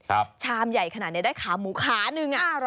ครับชามใหญ่ขนาดนี้ได้ขามูขานึงอ่ะ